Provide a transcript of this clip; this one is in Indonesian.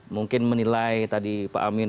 mungkin menilai tadi pak amin